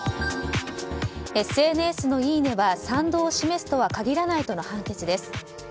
ＳＮＳのいいねは賛同を示すとは限らないとの判決です。